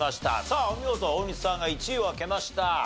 さあお見事大西さんが１位を開けました。